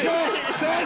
先生！